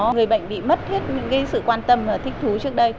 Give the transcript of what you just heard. người bệnh bị mất hết những sự quan tâm và thích thú trước đây